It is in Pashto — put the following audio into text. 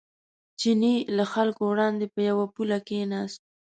چیني له خلکو وړاندې په یوه پوله کېناست.